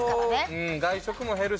うん外食も減るし